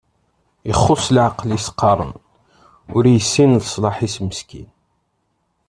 Ixuṣ leɛqel i as-qqaren, ur yessin leṣlaḥ-is meskin.